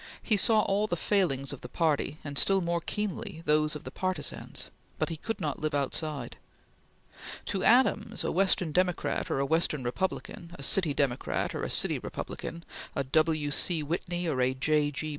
He saw all the failings of the party, and still more keenly those of the partisans; but he could not live outside. To Adams a Western Democrat or a Western Republican, a city Democrat or a city Republican, a W. C. Whitney or a J. G.